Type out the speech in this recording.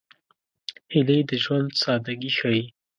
هیلۍ د ژوند سادګي ښيي